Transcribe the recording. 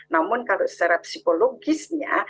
namun kalau secara psikologisnya